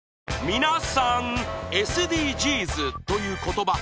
皆さん「ＳＤＧｓ」という言葉